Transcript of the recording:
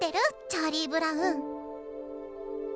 チャーリー・ブラウン」。